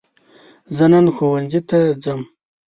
زه نن ښوونځي ته ځم.